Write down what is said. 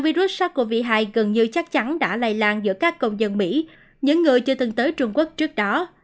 kể từ năm hai nghìn hai gần như chắc chắn đã lây lan giữa các công dân mỹ những người chưa từng tới trung quốc trước đó